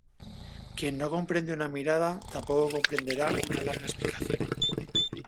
Quien no comprende una mirada tampoco comprenderá una larga explicación